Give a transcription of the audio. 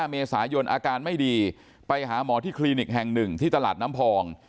เมษายนอาการไม่ดีไปหาหมอที่คลินิกแห่ง๑ที่ตลาดน้ำพอง